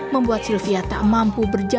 membuat sylvia tak mampu berjalan